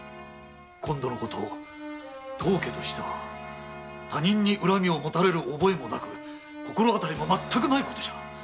今度のこと当家としては他人に恨みをもたれる覚えもなく心当たりも全くないことじゃ。